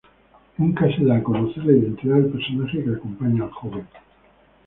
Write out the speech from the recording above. Nunca se da a conocer la identidad del personaje que acompaña al joven.